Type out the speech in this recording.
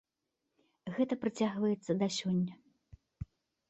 Гэта працягваецца да сёння.